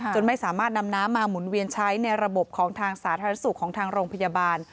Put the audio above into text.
ไม่สามารถนำน้ำมาหมุนเวียนใช้ในระบบของทางสาธารณสุขของทางโรงพยาบาล